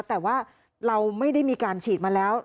แต่ว่าเราไม่ได้มีการฉีดมาแล้ว